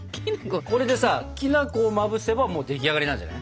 これでさきな粉をまぶせばもう出来上がりなんじゃない。